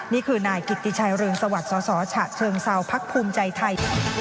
นี่คือนายกิติชัยเรืองสวัสดิ์สสฉะเชิงเซาพักภูมิใจไทย